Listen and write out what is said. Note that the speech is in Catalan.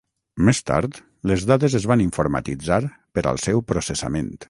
Més tard, les dades es van informatitzar per al seu processament.